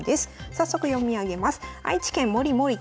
早速読み上げます。